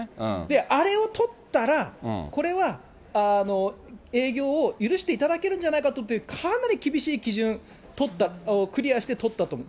あれを取ったらこれは営業を許していただけるんじゃないかって、かなり厳しい基準、取った、クリアして取ったと思う。